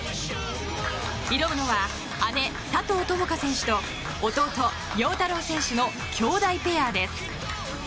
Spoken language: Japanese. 挑むのは姉・佐藤友花選手と弟・陽太郎選手の姉弟ペアです。